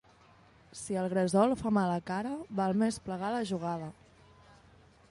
Si el gresol fa mala cara, val més plegar la jugada.